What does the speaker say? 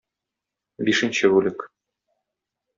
Бишенче бүлек.